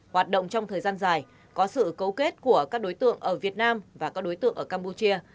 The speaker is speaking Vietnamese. hoạt động trong thời gian dài có sự cấu kết của các đối tượng ở việt nam và các đối tượng ở campuchia